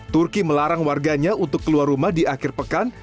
turki melarang warganya untuk keluar rumah di akhir pekan